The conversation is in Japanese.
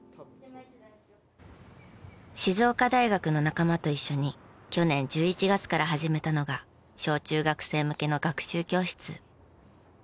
静岡大学の仲間と一緒に去年１１月から始めたのが小・中学生向けの学習教室。